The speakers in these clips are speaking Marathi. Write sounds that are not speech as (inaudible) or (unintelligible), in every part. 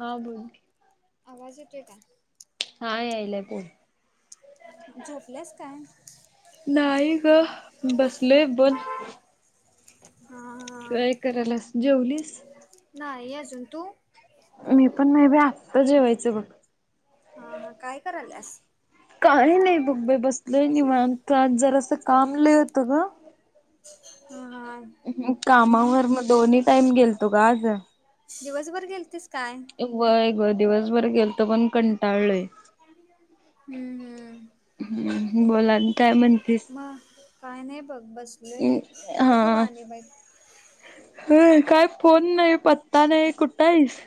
हा बोल की. आवाज येतोय का? हा यायलाय, बोल. झोपल्यास काय? नाही ग. बसलोय बोल हा हा काय कराल्यास? जेवलीस? नाही अजून. तू? मी पण नाही बाई. आत्ता जेवायचं बघ. हा, हा. काय करायल्यास? काही नाही बघ बाय, बसलं निवांत. आज जरा असं काम लय होतं गं. हा हा. कामावर मग दोन्ही टाईम गेलतो का आज. दिवसभर गेलती तस काय. वय ग दिवसभर गेल तर पण कंटाळलय. ह हम्म हम्म बोल आणि काय म्हणतेस ह काय नाही बघ बसल आहे काय करू आण बाई. ह काय फोन नाही पत्ता नाही कुठं आहेस.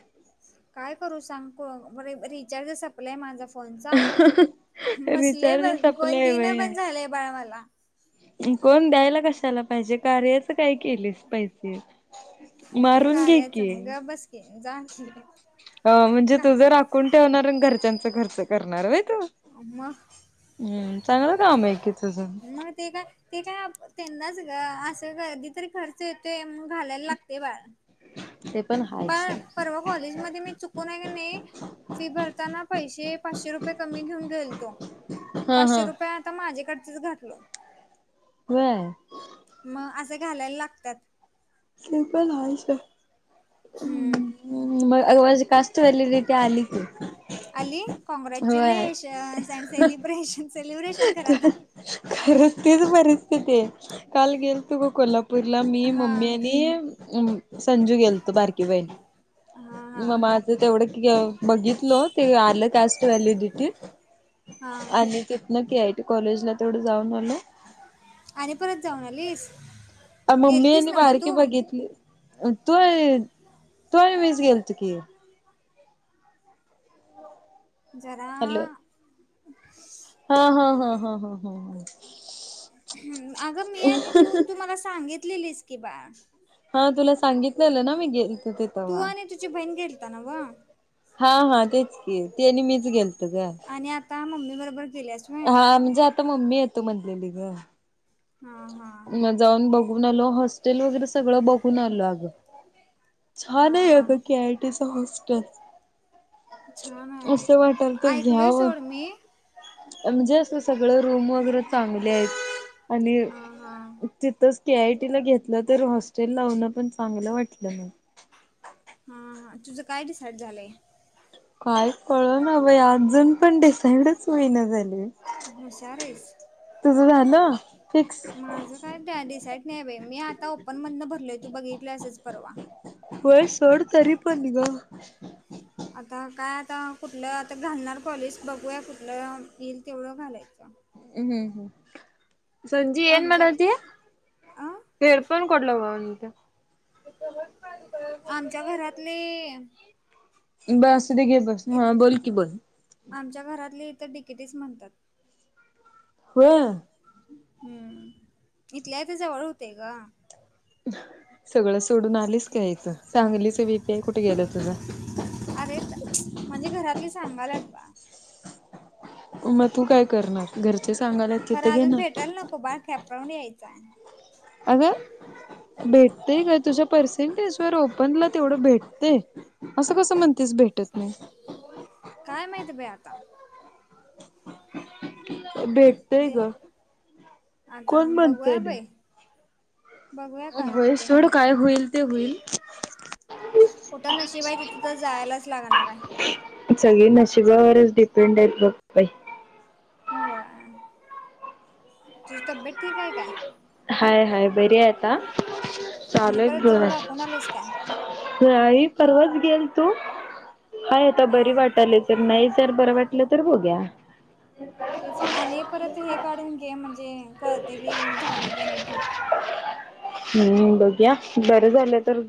काय करू सांग बर रिचार्जस य माझा फोनचा बसले रिचार्ज ब कोण संपलाय दिन व्हय. पण झालंय बाळ मला कोण द्यायला कशाला पाहिजे कार्याचं काय केलेस पाहिजे कार्याचा गा बसक जाख. अ म्हणजे तू जर राकून ठेवणार घरच्यांचा खर्च करणार बा तू. मग हम्म चांगलं काम आहे किथझून मग ते का. ते काय त्यांनाच ग असं कर्दी तरी खर्च येतोय मग घालायला लागते बाळ.. ह ते पण. ब हायच परवा कॉलेज मध्ये मी चुकून आहे की नाही. फी भरताना पैसे पाचशे रुपये कमी घेऊन गेलतो हा पाचशे हा रुपये. माझ्याकडचच घातलो. हय. मग असं घालायला लागतात. सपल हयच. हम्म. ह मग अग माझी कास्त व्हॅलिडिटी आली ती. अली कॉँग्रॅच्युलेशन अ सेलब्रेशन. खरच तेच बरचते ते काल गेल तू ग कोल्हापूर. नागपूरला मी मम्मी हां आणि संजू गेलतो बारकी बईन. हां मग हां माझं तेवढं बघितल ते आलं त्यास् व्हॅलिडिटी. हा. नकीी आय टी कॉलेजला तेवढं जाऊन आलं. आणि परत जाऊन आलीस. मम्मी गेलतीस यांनी नव बारकी बघितली तू. ह. तू मिीस गेल तु की. हॅलो जरा.. हा हा हा हा हा हा हा. अगं मी आहे तू तू मला सांगितलेलीस की बा हा तुला सांगितलंलं ना मी गे तेथव्हा. पूजे बईन घेलता नववा. हा हा तेच क ते आणि मीच गेलत का. आणि आता मम्मी बरोबर गेलेस. हा म्हणजे आता मम्मी येतो म्हणलेली ग हा हा. मग जाऊन बघून आलो हॉस्टेल वगैरे सगळं बघून आलो अगं. छान हा आहे हा होतं के आय टीचं हॉस्टेल. छान असं वाटाल आहे तर ऐकलोय घ्यावं सोड मी. म्हणजे अस सगळं रूम वगैरे चांगले आहेत आणि. हा हा तिथंच के आय टी ला घेतलं तर हॉस्टेल लावण पण चांगलं वाटलं म हा हा तुझ काय डिसाईड झालंय. काय कळ ना बाई अजून पण डिसाईडच महिना झालय. हुशार आहेस. तुझं झालं फिक्स. (unintelligible) डीसाईड. नाही बाई मी आता ओपन मधन भरलोय तू बघितलं असेच परवा. होय सोड तरी पण ग. आता काय आता कुठलं आता घालणार कॉलेज बघूया कुठलं येईल तेव्हा घालायचं. हम्म हम्म हम्म संजी एन आमच्या म्हणाल ती. अ (unintelligible) आमच्या घरातली इत हा बोल की बोल. आमच्या घरातली त डिकेटीच म्हणतात. होय. हम्म इथल्या इथे जवळ होते ग. सगळं सोडून आलेच का इथं चांगलीच वीपीआय कुठे गेलं तुझा. अरे म्हणजे घरातले सांगालात बा मग तू काय करणार घरचे सांगायला तिथं घेणार. उभा कॅप राऊंड यायचा. अगं भेटते का तुझ्या पर्सेंटेज ओपनला तेवढं भेटते असं कसं म्हणतेस भेटत नाही. काय माहिती बाई आता. भेटतय दे ग आता कोण म्हणताय बघूया नाही. बाई. बघूया काय होय होते सोड काय होईल ते होईल. खोटं नशीब आहे तिथे तर जायलाच लागणार आहे. सगळी नशिबावरच डिपेंड आहेत बघ. बाई हो तुझी तब्येत ठीक आहे काय. हाय हाय बरी आता आणि परत चालू जाऊन दाखवून आहेत आलीस काय? (unintelligible) नाहीई परवाच गेल तू हाय आता बरी हा वाटाली. तर नाही जर बरं वाटलं तर बघूया. तेच आणि परत हे काढून घे म्हणजे कळते की झालेय का नाही ठीक. हम्म बघुया बरं झालं तर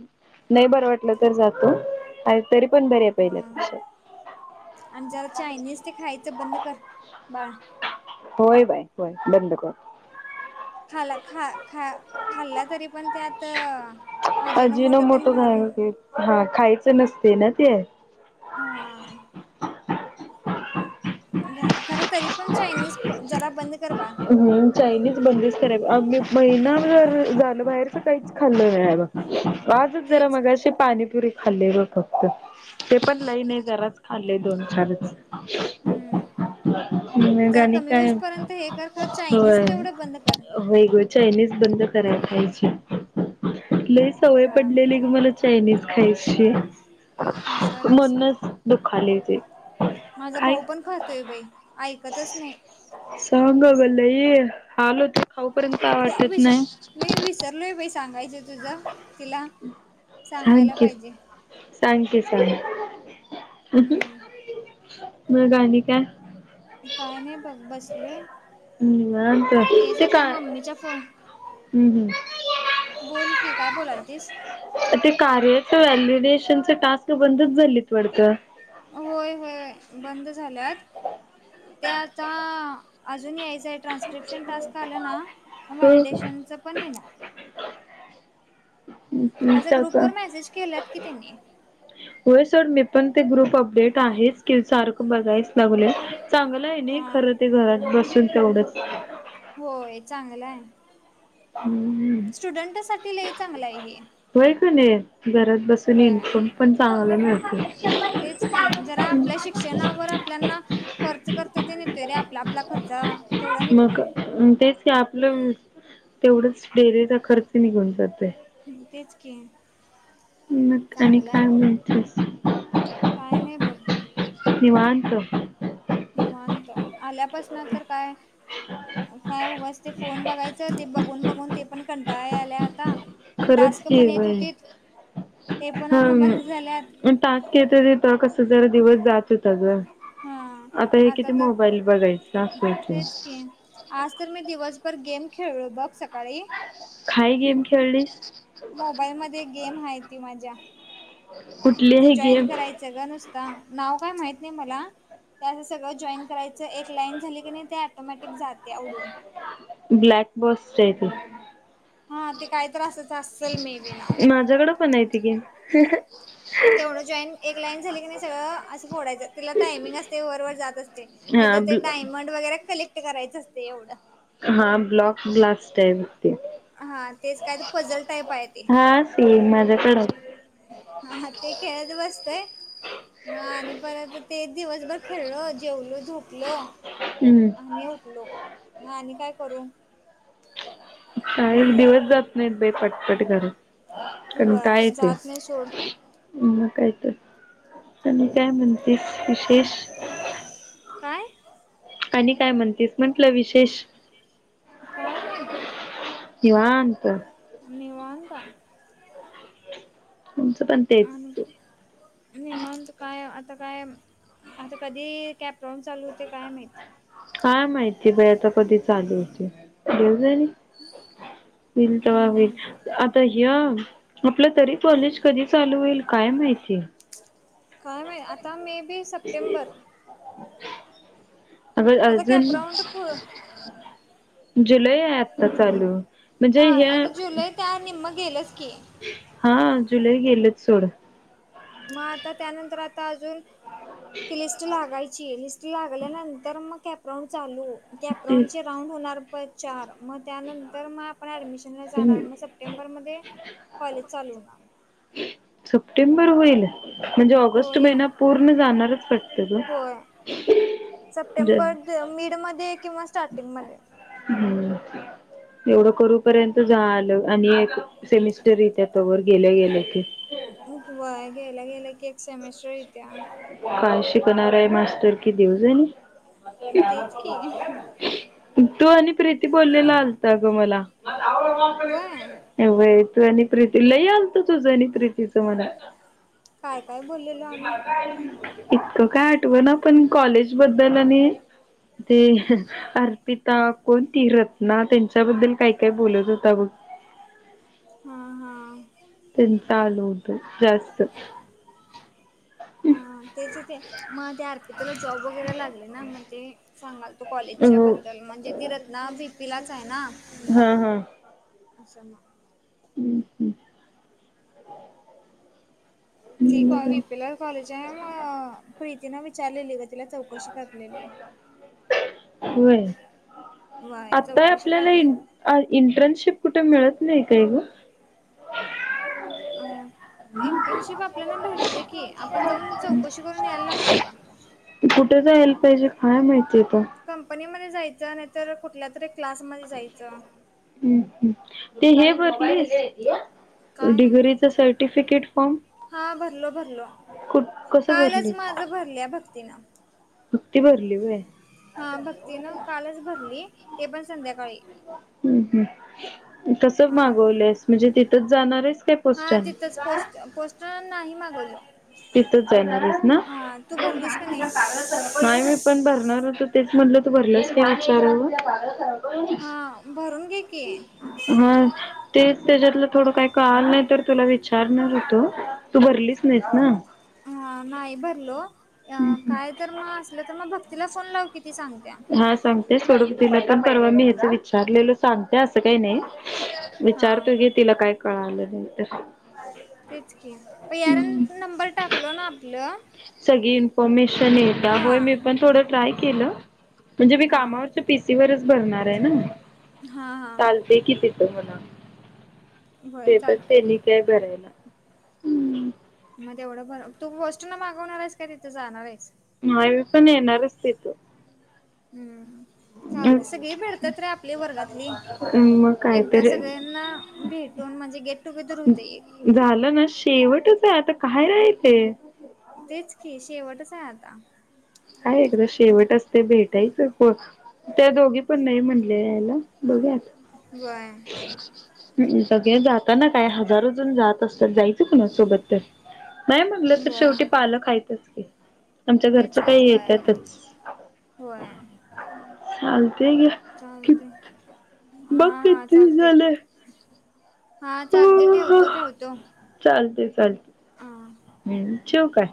नाही बरं वाटलं तर जातो तरी पण बर आहे हा पहिल्यापेक्षा आणि जरा चायनीज ते खायचं बंद कर बाळ. होय बाय होय बंद कर खाला ख खा खाल्ला तरी पण त्यात हजिनोमोटो अजिनो मोठं त्यान मोठो घाय घालून हा खायचं नसते ना ते. हा. खर तरी पण चायनीज जरा बंद कर बा ह् चायनीज बंदीच कराय महिना जर झाल बाहेर तर काहीच खाल्लं नाही आहे बग. वाजत जरा तेच मगाशी पाणीपुरी खाल्ले र फक्त ते पण लईन जराच खाल्ले दोन चारच. हम्म मग जरा आणि कमी काय जपर्यंत हे कर खरं चायनीज तेवढं बंद कर. हो ग चायनीज बंद करायला पाज लय सवय खुळा पडलेली ग मला चायनीज खायची हुशार आहेस मधूनच दुखाले ते. माझा काय भाऊ पण खातोय बाई ऐकतच नाही सांग बाबा लई हाल होत्यात खाऊपर्यंत काय वाटत विस नाही. मी विसरलो बाई सांगायचं तुझं तिला सांग सांगायला की पाहिजे. सांग की सांग हम्म मग आणि काय? काय नाही बघ, बसलोय! (unintelligible) तेच ते आता काय मम्मीच्या फोन हम् हम्म, बोल की, काय बोलालतीस? ते कार्याच व्हॅल्युडेशनच टास्क, बंदच झाली वाटतं. होय, होय बंद झाल्यात. त्या आता, अजून यायचं आहे ट्रान्सफ स्क्रिप्शन टास्क आलं ना, हो व्हॅलिडेशनचं पण येणार, असा ग्रुप टाका वर, मेसेज केल्यात की त्यांनी. होयसोड, मी पण ते ग्रुप अपडेट आहेच कि, सारखं बघायच, लागलोय, चांगलं आहे ना हा खरं, ते घरात बसून तेवढंच. होय चांगला आहे, हम्म स्टुडंटसाठी लय चांगलं आहे हे, होय कानी नाही, घरात बसून बर इन्कम पण चांगला मिळतो, तेच की, जरा आपल्या शिक्षणावर आपल्याना खर्च करत ते नेतोय रे, आपला आपला खर्च. तेवढा मग निघतोय तेच की, आपलं तेवढच डेली चा खर्च निघून जाते, तेच की, (unintelligible) मग आणि चांगला आहे काय, म्हणतेस. काय नाही बघ, निवांत. निवांतो आल्यापासन, तर काय, काय उगच ते फोन बघायचं, ते बघून, बघून ते पण कंटाळाळ आल्या आता. ते खरंच टास्क की पण येत बाई होती, ते पण आता बंद झाल्यात, आणि टास्क येत तस, कस जरा दिवस जात होता ग, हा आता हे किती तर मो, बाईल बघायचं अस की, तेच की आज तर मी दिवसभर, गेम खेळलो बघ सकाळी, काय, गेम खेळलीस? मोबाईलमध्ये गेम आहे ती माझ्या (unintelligible) कुठली? ते आहे जॉईन गेम करायचं ग नुसत, नाव काय माहत नाही मला, ते असं सगळं जॉईन करायचं, एक लाईन झाली की नाही ते, ऑटोमॅटिक जाते उडून. ब्लॅक बॉसेत ती, हा ते काय तर असंच असेल मे बी नाव माझ्याकडं पण, आहेती गेम. (unintelligible) तेवढं जॉईन, एक लाईन झाली की नाही, सगळं असं फोडायचं तिला टायमिंग असते, वरवरर जात असते. नाही तर ते, हा डायमंड वगैरे कलेक्ट करायचं. असते एवढं, हा ब्लॉक ब्लास्ट आहे मग ते, हा तेच काय तर पझल टाईप आहे ते हा सेम माझ्याकडे, हा ह, तेखेळत बसतोय, मग आणि परत ते, दिवसभर खेळल, जेवलो झोपलो, हम्म, आणि उठलो, म आणि काय करू, काही दिवस जात नाहीत, बाई पटपट खरं, कंटाळा येत, जात नाही सोड मग काय तर, आणि काय म्हणतेस विशेष, काय? आणि काय म्हणतेस, म्हंटलं विशेष, काय नाही बघ, निवाअंत, निवणताय, तुमचं पण तेच, (unintelligible) निवतं काय आता काय आता, कधी कॅब प्रॉम चालू होते काय माहित, काय माहितीय बाय आता कधी चालू होतेली. मलत बा हम्म फ. आता ह आपलं तरी कॉलेज कधी चालू होईल काय माहिती. क मिळे आता मे बी सप्टेंबर. अ आता अर्जुन. कॅपराऊंड पुढ जुलै. म्हणजे हा हे आता जुलै त्या निम्म गेलंच की. हा जुलैही गेलेत सोड. मग आता त्यानंतर आता अजून लिस्ट लागायची. लिस्ट लागल्या नंन्तर काप्रवून चालू ते कॅपरावून राऊंड होणार प चार मग त्यानंतर मग आपण ऍडमिशनला जाणार मग स. सप्टेंबर मध्ये कॉलेज चालूणार. सप्टेंबर होईल म्हणजे ऑगस्ट होय महिना पूर्ण जाणारच पट. होय ज (unintelligible) म मिड मध्ये किंवा स्टार्टिंग मध्ये. हम्म (unintelligible) एवढं करूपर्यंत जा आलं आणि एक सेमिस्टर य त्या तवर गेल्या गेलं की. वय गेयला गेला की एक सेमेस्टर येत्या. काय शिकणार आहे मास्तर कि देवजण. तेच की तू आणि प्रीती बोललेला आलत ग मला. व्हय एव तू आणि प्रीती ल आलत तुझं आणि प्रीतीचं मनात. काय काय बोललेलं. इतकं काय आठव ना पण कॉलेज बद्दल आणि. ते अर्पिता कोणती रत्ना त्यांच्याबद्दल काही काय बोलत होता बघ. हा हा त चाल उत जास्त. हा तेच ते मग ते आरपी त्याला जॉब वगैरे लागले ना मग ते सांगाल. अ कॉलेजच्या बद्दल म्हणजे ती रत्ना भीपीलाच आहे ना. हा हा. अच्छा मग. हम्म हम्म. त वि पीलर कॉलेज आहे प्रीती न विचारलेली. तिला चौकशी कालेली. होय वय चौकशी काढली. अ इंटर्नशिप कुठे मिळत नाही काय ग. अ इंटर्नशिप आपल्याला भेटते की आपण जाऊन चौकशी करून यायला लागते बा. कुठे जा यायला पाहिजे काय माहितीय आहेेत. कंपनीमध्ये जायचं नाहीतर कुठल्या तरी क्लासमध्ये जायचं. हम्् ते हे बर. काय डिग्रीचा सर्टिफिकेट फॉर्म. हा भरलो भरलो कुठ कसं कालच भरलेस? माझं भरल्या भक्तीनं हा भक्तीन कालच भरली ते पण संध्याकाळी. हम् हम् कस हा मागवलंस म्हणजे तिथंच जाणार आहेच काय हा पोस्टां. तिथंच पोस्ट पोस्टर नाहीही मगोल. तिथच जाणारच ना भरलीस का नाही मी. पण भरणार होत तेच म्हटलं तू भरलास काय आचार. हा भरून घे की. हम् तेच त्याच्यातलं थोडं काही कळाल नाही तर तुला विचारणार होतो तू भरलीच नाहीस ना. ह नाही भरलो काय तर मग असलं तर मग भक्तीला फोन लाव किती सांगत्या. हा सांगते स्वरूप दिला पण परवा मी हच विचारलेलो सांगते असं काही नाही. हा विचारतो की तिला काय कळालं नाही.. तेच क प यार नंबर टाकलो ना आपलं.. सगळी इन्फॉर्मेशन येत हा होय मी पण थोडं ट्राय केलं.. म्हणजे मी हा कामावरच्या पीसीवररच भरणार आहे ना हा हा चालत.. दे कीच येत म्हणा होय देतात चालते तेनी की काय भरायला. मग तेवढं भर तू बस्टू ना मागवणार आहेस का तिथे जाणार आहेस. हवी पण येणारच तथू. हम्म चालते सगळी भेडतात रे आपले वर्गातली. मग एकदा कायतरी सगळ्यांना भेटून म्हणजे गेट टुगेदर होते. झालं ना शेवटच आहे आता काय राहाच. तेच की शेवटच आहे आता. काय एकदा शेवट असते भेटायचं प त्या दोघी पण नाही म्हणले याला. बघूत वय हम् सगळे जात. ता ना काय हजारोजण जात असतात जायचं कणा सोबत तर. नाही म्हटलं तर वय शेवटी पालं खायचच की. आमच्या घरच तेच की काही वय येतातच होय चालते ग. चालते हा हा किती चालते. झालंय हा चालते ठेवतो ठेवतो. चालते चालते. ह. हम् चेव काय.